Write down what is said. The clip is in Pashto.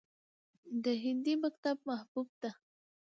د هندي مکتب محبوب ته